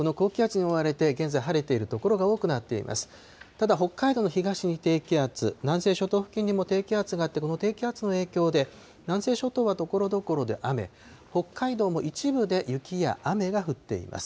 ただ、北海道の東に低気圧、南西諸島付近にも低気圧があって、この低気圧の影響で、南西諸島はところどころで雨、北海道も一部で雪や雨が降っています。